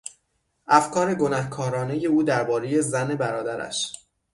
افکار گنهکارانهی او دربارهی زن برادرش